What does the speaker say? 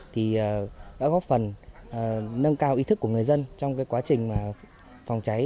thì đã góp phần nâng cao ý thức của người dân trong quá trình phòng cháy